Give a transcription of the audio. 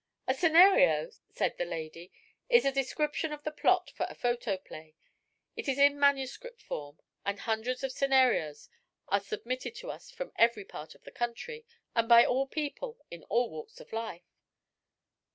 "A 'scenario,'" said the lady, "is a description of the plot for a photo play. It is in manuscript form and hundreds of scenarios are submitted to us from every part of the country, and by people in all walks of life."